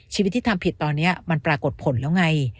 ที่ทำผิดตอนนี้มันปรากฏผลแล้วไง